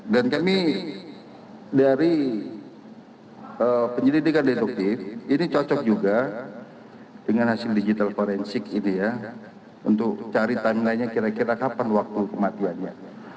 dan kami dari penyelidikan deduktif ini cocok juga dengan hasil digital forensik ini ya untuk cari tangannya kira kira kapan waktu kematiannya